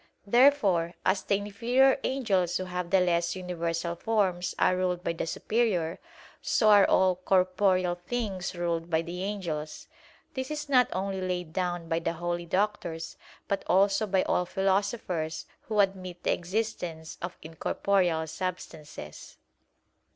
Therefore, as the inferior angels who have the less universal forms, are ruled by the superior; so are all corporeal things ruled by the angels. This is not only laid down by the holy doctors, but also by all philosophers who admit the existence of incorporeal substances.